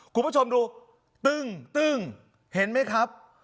คุณผู้ชมดูตึ้งตึ้งเห็นไหมครับ